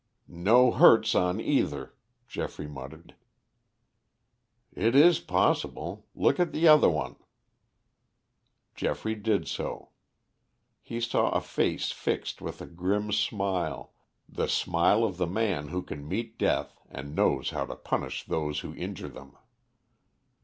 "No hurts on either," Geoffrey muttered. "It is possible. Look at the other one." Geoffrey did so. He saw a face fixed with a grim smile, the smile of the man who can meet death and knows how to punish those who injure them.